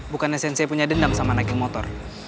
bukannya sensei punya dendam sama anak yang motor